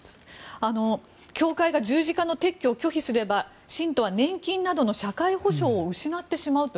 教会が十字架の撤去を拒否すれば信徒は年金などの社会保障を失ってしまうと。